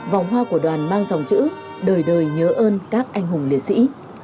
vòng hoa của đoàn mang dòng chữ đời đời nhớ ơn các anh hùng liệt sĩ